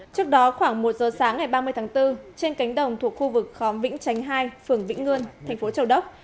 trước đó khoảng một giờ sáng ngày ba mươi tháng bốn trên cánh đồng thuộc khu vực khóm vĩnh chánh hai phường vĩnh ngươn thành phố châu đốc